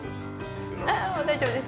ああもう大丈夫です。